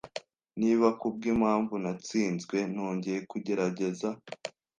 Niba kubwimpamvu natsinzwe, nongeye kugerageza.